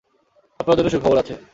আপনার জন্য সুখবর আছে।